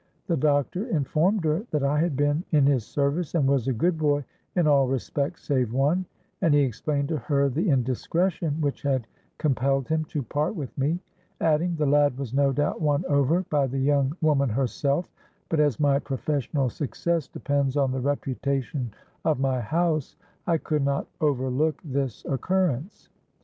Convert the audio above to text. The doctor informed her that I had been in his service and was a good boy in all respects save one:—and he explained to her the indiscretion which had compelled him to part with me; adding, 'The lad was no doubt won over by the young woman herself; but as my professional success depends on the reputation of my house, I could not overlook this occurrence.'